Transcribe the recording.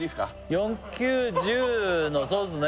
４９１０のそうっすね